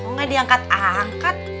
kok gak diangkat angkat